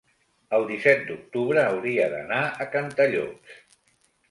el disset d'octubre hauria d'anar a Cantallops.